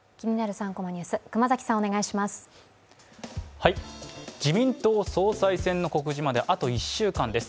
３コマニュース」、熊崎さん、お願いします。